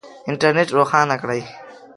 انټرنېټ روښانه کړئ